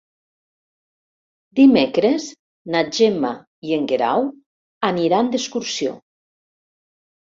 Dimecres na Gemma i en Guerau aniran d'excursió.